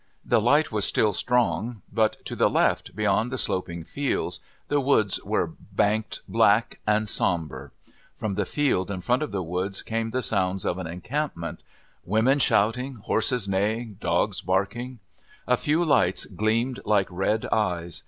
The light was still strong, but, to the left beyond the sloping fields, the woods were banked black and sombre. From the meadow in front of the woods came the sounds of an encampment women shouting, horses neighing, dogs barking. A few lights gleamed like red eyes.